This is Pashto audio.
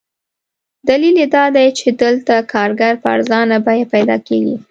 دلیل یې دادی چې دلته کارګر په ارزانه بیه پیدا کېږي.